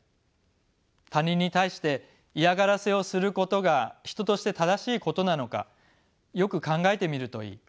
他人に対して嫌がらせをすることが人として正しいことなのかよく考えてみるといい」。